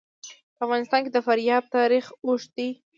په افغانستان کې د فاریاب تاریخ اوږد دی.